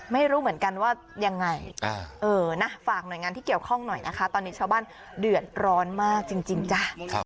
ไม่รู้เหมือนกันว่ายังไงฝากหน่วยงานที่เกี่ยวข้องหน่อยนะคะตอนนี้ชาวบ้านเดือดร้อนมากจริงจ้ะ